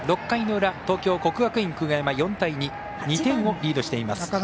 ６回の裏、東京、国学院久我山４対２、２点をリードしています。